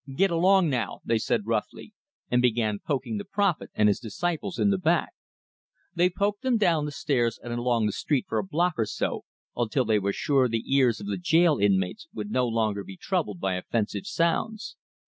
"Get along, now!" they said roughly, and began poking the prophet and his disciples in the back; they poked them down the stairs and along the street for a block or so until they were sure the ears of the jail inmates would no longer be troubled by offensive sounds.